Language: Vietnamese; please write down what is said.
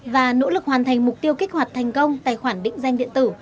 và nỗ lực hoàn thành mục tiêu kích hoạt thành công tài khoản định danh điện tử